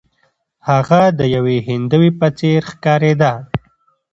هغه د یوې هندوې په څیر ښکاریده.